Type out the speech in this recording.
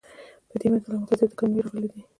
په دې متل کې متضادې کلمې راغلي دي